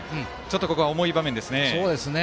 ここは重い場面ですね。